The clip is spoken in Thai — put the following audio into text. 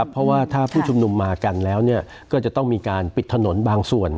เพราะว่าถ้าผู้ชุมนุมมากันแล้วก็จะต้องมีการปิดถนนบางส่วน